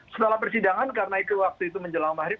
setelah persidangan karena waktu itu menjelang mahrib